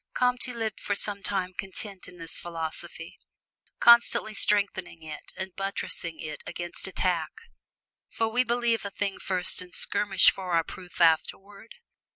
Comte lived for some time content in this philosophy, constantly strengthening it and buttressing it against attack; for we believe a thing first and skirmish for our proof afterward.